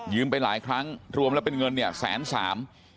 ไปหลายครั้งรวมแล้วเป็นเงินเนี่ยแสนสาม